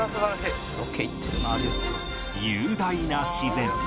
雄大な自然